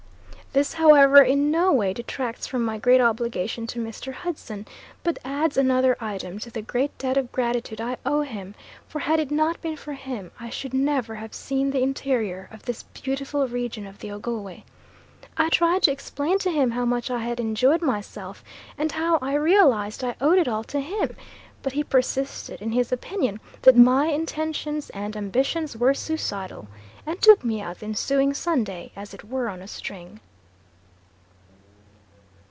This however in no way detracts from my great obligation to Mr. Hudson, but adds another item to the great debt of gratitude I owe him; for had it not been for him I should never have seen the interior of this beautiful region of the Ogowe. I tried to explain to him how much I had enjoyed myself and how I realised I owed it all to him; but he persisted in his opinion that my intentions and ambitions were suicidal, and took me out the ensuing Sunday, as it were on a string.